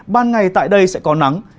ban ngày tại đây sẽ có nắng